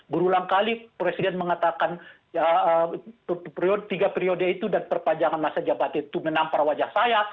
berulang kali presiden mengatakan tiga periode itu dan perpanjangan masa jabatan itu menampar wajah saya